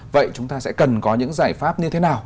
vậy chúng ta sẽ cần có những giải pháp như thế nào